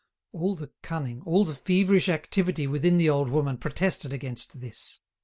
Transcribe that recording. All the cunning, all the feverish activity within the old woman protested against this.